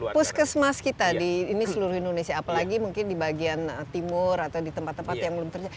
puskesmas kita di ini seluruh indonesia apalagi mungkin di bagian timur atau di tempat tempat yang belum terjadi